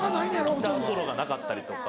ギターソロがなかったりとか。